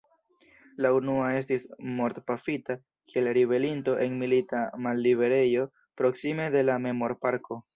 La unua estis mortpafita kiel ribelinto en milita malliberejo proksime de la memorparko.